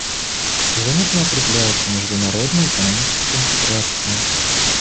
Заметно укрепляется международная экономическая интеграция.